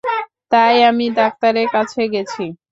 তাই আমি ডাক্তারের কাছে গেছি।